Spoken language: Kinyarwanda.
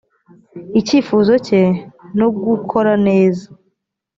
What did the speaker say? icyifuzo cye nugukoraneza.